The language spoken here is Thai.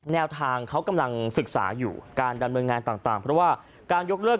แนวทางเขากำลังศึกษาอยู่การดำเนินงานต่างเพราะว่าการยกเลิก